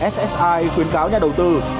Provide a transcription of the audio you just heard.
ssi khuyến cáo nhà đầu tư